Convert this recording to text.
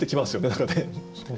何かね。